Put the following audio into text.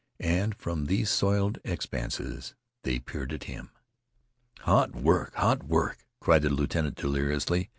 And from these soiled expanses they peered at him. "Hot work! Hot work!" cried the lieutenant deliriously.